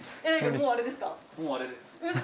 もうあれですウソ？